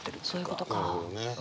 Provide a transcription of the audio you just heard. そういうことか。